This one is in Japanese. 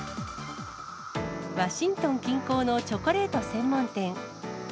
ワシントン近郊のチョコレート専門店。